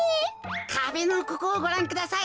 かべのここをごらんください。